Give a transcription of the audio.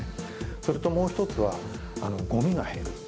それともう一つは、ごみが減る。